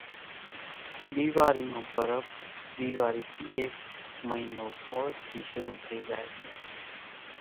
ۮيواري نون پرٻ ۮيواري ٿي ايڪ مئينو مور ٿي شرُو ٿئي زائي سي